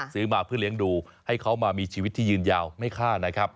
ซื้อมาเพื่อเลี้ยงดูให้เขามามีชีวิตที่ยืนยาวไม่ฆ่านะครับ